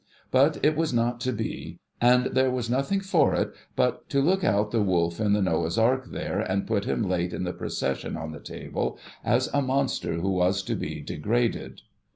But, it \va« not to be ; and there was nothing for it but to look out the Wolf in the Noah's Ark there, and put him late in the procession on the table, as a monster who was to be degraded.